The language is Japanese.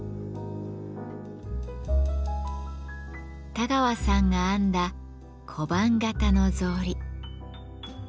田川さんが編んだ小判形の草履。